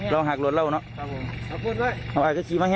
ตู้หนาวเว้ย